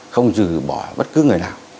không dừ bỏ bất kỳ tài sản